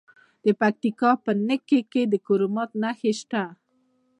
د پکتیکا په نکې کې د کرومایټ نښې شته.